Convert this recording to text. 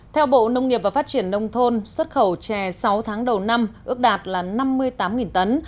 theo bộ nông nghiệp và phát triển nông thôn xuất khẩu chè sáu tháng đầu năm ước đạt là năm mươi tám tấn